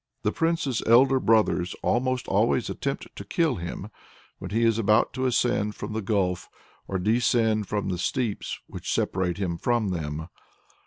The prince's elder brothers almost always attempt to kill him, when he is about to ascend from the gulf or descend from the steeps which separate him from them.